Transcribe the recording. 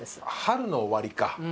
春の終わりか。